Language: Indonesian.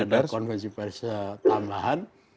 akan ada konversi pers tambahan